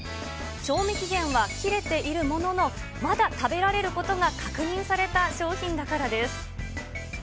賞味期限は切れているものの、まだ食べられることが確認された商品だからです。